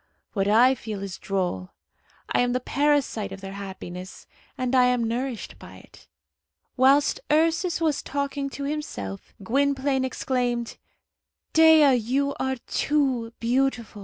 What I feel is droll. I am the parasite of their happiness, and I am nourished by it." Whilst Ursus was talking to himself, Gwynplaine exclaimed, "Dea, you are too beautiful!